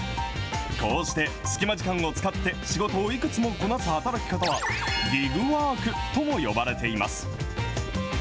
こうして、隙間時間を使って仕事をいくつもこなす働き方は、ギグワークとも呼ばれています。